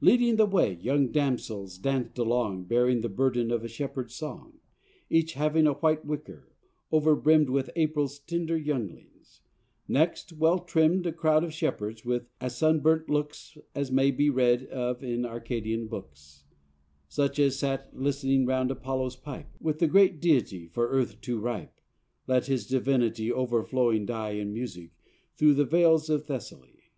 "Leading the way, young damsels danced along, Bearing the burden of a shepherd's song; Each having a white wicker, overbrimm'd With April's tender younglings; next, well trimm'd, A crowd of shepherds with as sunburnt looks As may be read of in Arcadian books; Such as sat listening round Apollo's pipe, When the great deity, for earth too ripe, Let his divinity o'erflowing die In music, through the vales of Thessaly.